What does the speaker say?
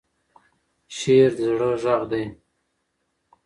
شعر د زړه غږ دی.